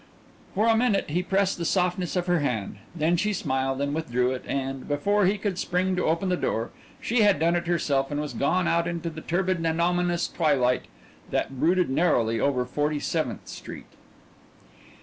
For a minute he pressed the softness of her hand then she smiled and withdrew it and, before he could spring to open the door, she had done it herself and was gone out into the turbid and ominous twilight that brooded narrowly over Forty seventh Street.